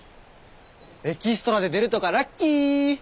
エキストラで出るとかラッキー。